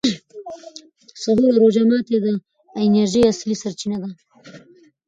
سحور او روژه ماتي د انرژۍ اصلي سرچینه ده.